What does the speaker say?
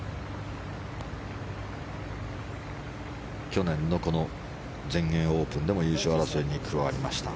去年のこの全英オープンでも優勝争いに加わりました。